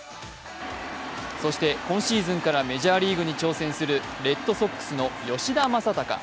そして、今シーズンからメジャーリーグに挑戦するレッドソックスの吉田正尚。